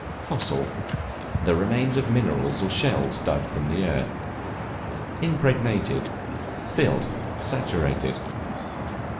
Fossil, the remains of minerals or shells dug from the earth. Impregnated, filled, saturated.